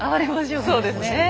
はいそうですね。